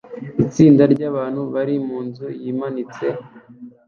Itsinda ryabantu bari munzu yimanitse